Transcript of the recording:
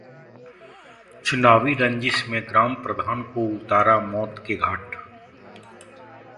चुनावी रंजिश में ग्राम प्रधान को उतारा मौत के घाट